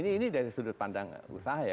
ini dari sudut pandang usaha ya